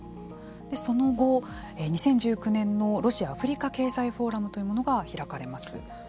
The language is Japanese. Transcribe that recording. その後２０１９年のロシア・アフリカ経済フォーラムというものが開かれます。